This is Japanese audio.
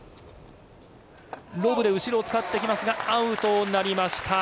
ロブで後ろを使ってきますがアウトとなりました。